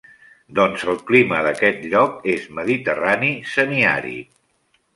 Doncs el clima d'aquest lloc és mediterrani semiàrid.